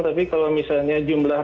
tapi kalau misalnya jumlah